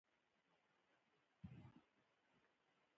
یو له دغو نومیالیو میرمنو څخه بي بي زینب ده.